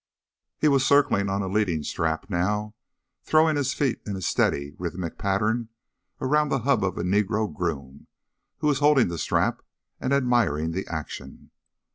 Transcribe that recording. He was circling on a leading strap now, throwing his feet in a steady, rhythmic pattern around the hub of a Negro groom who was holding the strap and admiring the action.